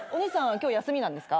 今日休みなんですか？